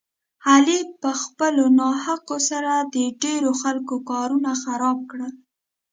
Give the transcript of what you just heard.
علي په خپلو ناحقو سره د ډېرو خلکو کارونه خراب کړل.